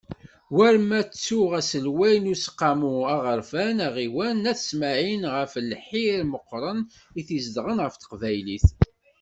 War ma ttuɣ aselway n Useqqamu aɣerfan aɣiwan n At Smaɛel ɣef lḥir meqqren i t-izedɣen ɣef teqbaylit.